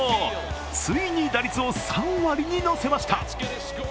ついに打率を３割にのせました。